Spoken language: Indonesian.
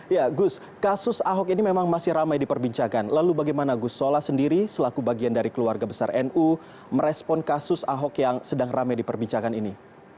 ya gus kasus ahok ini memang masih ramai diperbincangkan lalu bagaimana gus sola sendiri selaku bagian dari keluarga besar nu merespon kasus ahok yang sedang ramai diperbincangkan ini